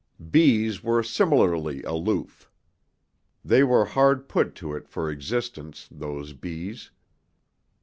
Bees were similarly aloof. They were hard put to it for existence, those bees.